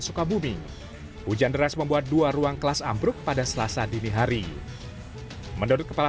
sukabumi hujan deras membuat dua ruang kelas ambruk pada selasa dini hari menurut kepala